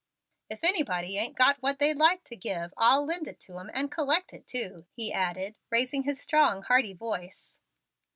If anybody ain't got what they'd like to give, I'll lend it to 'em, and collect it, too," he added, raising his strong, hearty voice.